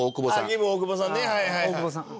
↑大久保さんね